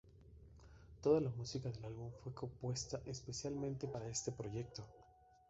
Toda la música del álbum fue compuesta especialmente para este proyecto.